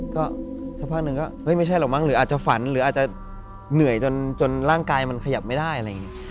ก็สักพักหนึ่งก็ไม่ใช่หรอกมั้งหรืออาจจะฝันหรืออาจจะเหนื่อยจนร่างกายมันขยับไม่ได้อะไรอย่างนี้